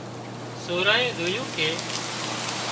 سورانئين زويُون ڪي